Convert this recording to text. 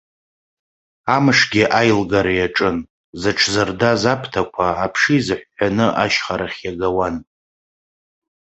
Амшгьы аилгара иаҿын, зыҽзырдаз аԥҭақәа аԥша еизыҳәҳәаны ашьхарахь иагауан.